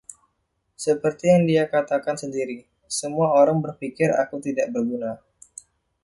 Seperti yang dia katakan sendiri: Semua orang berpikir aku tidak berguna.